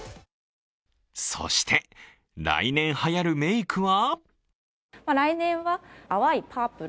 そして、来年はやるメイクは？